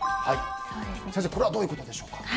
これはどういうことでしょうか。